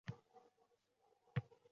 Goʻzal sharoitlarda ishlayotgan boʻlmasin